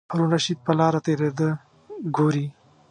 هارون الرشید په لاره تېرېده ګوري.